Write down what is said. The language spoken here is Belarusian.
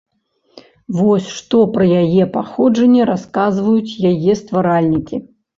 Вось што пра яе паходжанне расказваюць яе стваральнікі.